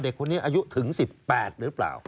เด็กคนนี้อายุถึง๑๘หรือเปล่า